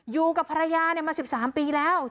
อยู่กับภรรยามา๑๓ปีแล้ว